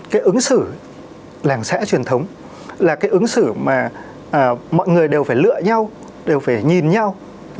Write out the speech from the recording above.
cái ứng xử làng xã truyền thống là cái ứng xử mà mọi người đều phải lựa nhau đều phải nhìn nhau